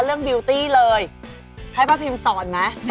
สวยแซ่บเวิลล์ใหม่ป้าพิมฮ์